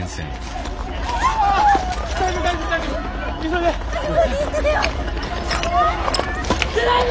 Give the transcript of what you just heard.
急いで！